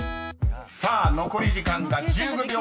［さあ残り時間が１５秒１１］